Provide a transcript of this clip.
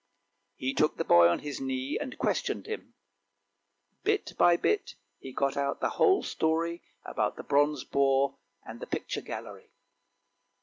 He took the boy on his knee and questioned him. Bit by bit he got out the whole story about the bronze boar, and the picture gallery.